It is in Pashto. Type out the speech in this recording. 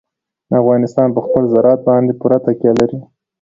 افغانستان په خپل زراعت باندې پوره تکیه لري.